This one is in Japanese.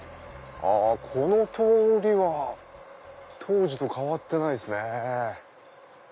この通りは当時と変わってないですね。